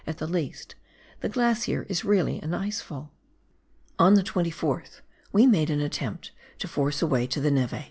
at the least, the glacier is really an ice fall. On the 24th we made an attempt to force a way to the nere.